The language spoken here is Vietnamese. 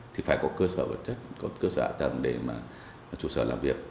thì phải có cơ sở hạ tầng để mà chủ sở làm việc